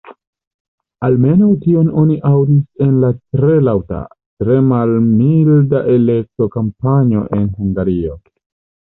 Almenaŭ tion oni aŭdis en la tre laŭta, tre malmilda elekto-kampanjo en Hungario.